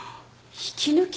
引き抜き？